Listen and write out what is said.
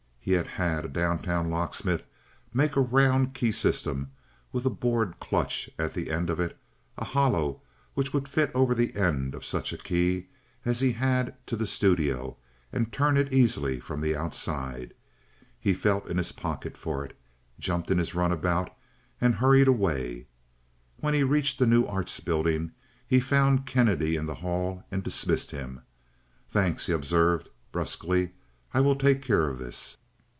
He had had a down town locksmith make a round keystem with a bored clutch at the end of it—a hollow which would fit over the end of such a key as he had to the studio and turn it easily from the outside. He felt in his pocket for it, jumped in his runabout, and hurried away. When he reached the New Arts Building he found Kennedy in the hall and dismissed him. "Thanks," he observed, brusquely. "I will take care of this."